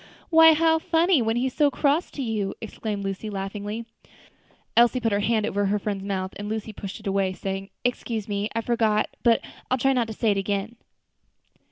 "Why, how funny, when he's so cross to you!" exclaimed Lucy, laughing. Elsie put her hand over her friend's mouth, and Lucy pushed it away, saying, "Excuse me; I forgot; but I'll try not to say it again."